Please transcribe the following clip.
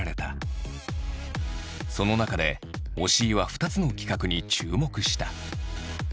その中で押井は２つの企画に注目した。